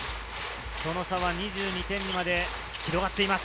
その差は２２点まで広がっています。